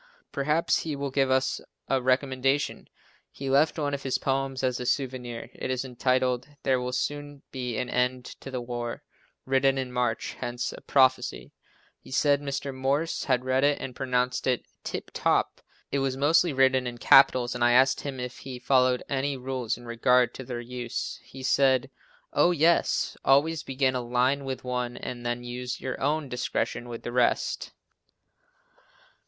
Perhaps he will give us a recommendation! He left one of his poems as a souvenir. It is entitled, "There will soon be an end to the war," written in March, hence a prophecy. He said Mr. Morse had read it and pronounced it "tip top." It was mostly written in capitals and I asked him if he followed any rule in regard to their use. He said "Oh, yes, always begin a line with one and then use your own discretion with the rest."